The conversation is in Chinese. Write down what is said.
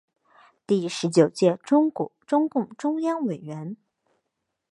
第十九届中共中央委员。